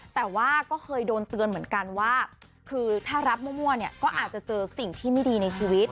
แต่ว่าก็เคยโดนเตือนเหมือนกันว่าคือถ้ารับมั่วเนี่ยก็อาจจะเจอสิ่งที่ไม่ดีในชีวิต